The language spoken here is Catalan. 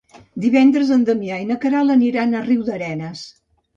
Divendres en Damià i na Queralt aniran a Riudarenes.